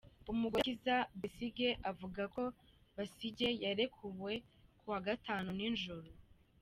Umugore wa Kizza Besigye avuga ko Besigye yarekuwe ku wa Gatanu nijoro.